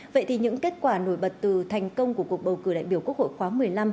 vậy thì những kết quả nổi bật từ thành công của cuộc bầu cử đại biểu quốc hội khóa một mươi năm